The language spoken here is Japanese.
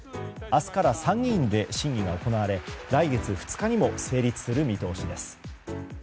明日から参議院で審議が行われ来月２日にも成立する見通しです。